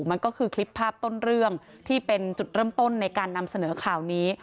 มันก็คือคลิปภาพต้นเรื่องที่เป็นจุดเริ่มต้นในการนำเสนอข่าวนี้